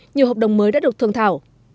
nhiều hợp đồng mới đã được thương thảo